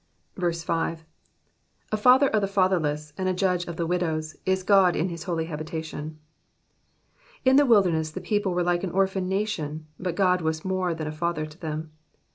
5. ^" A fatlier of the fathtniess^ and a jvdge of the mdovrSy u God in his holy habitation,''^ In the wilderness the people were like an orphan nation, but God was more than a father to them.